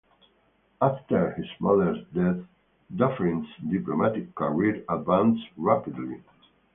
After his mother's death Dufferin's diplomatic career advanced rapidly.